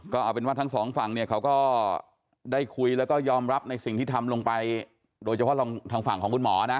ก็เอาเป็นว่าทั้งสองฝั่งเนี่ยเขาก็ได้คุยแล้วก็ยอมรับในสิ่งที่ทำลงไปโดยเฉพาะทางฝั่งของคุณหมอนะ